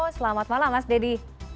selamat malam mas dedy